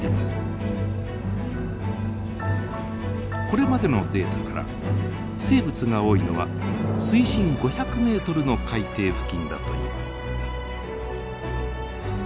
これまでのデータから生物が多いのは水深５００ｍの海底付近だといいます。